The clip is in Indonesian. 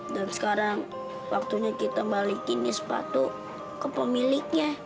dan sekarang waktunya kita balikin nih sepatu ke pemiliknya